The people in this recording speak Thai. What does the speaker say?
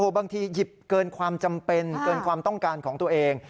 บางทีหยิบเกินความจำเป็นเกินความต้องการของตัวเอง